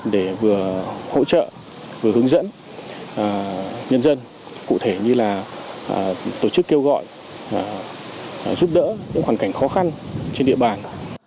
để vừa hỗ trợ vừa hướng dẫn nhân dân cụ thể như là tổ chức kêu gọi và giúp đỡ những hoàn cảnh khó khăn trên địa bàn